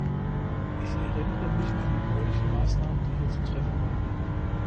Ich erinnere mich an die baulichen Maßnahmen, die hier zu treffen waren.